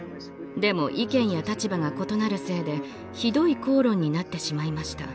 でも意見や立場が異なるせいでひどい口論になってしまいました。